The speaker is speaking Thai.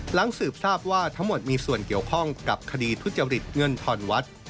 หลังสืบทราบว่าทั้งหมดมีส่วนเกี่ยวข้องกับคดีทุจริตเงินทอนวัด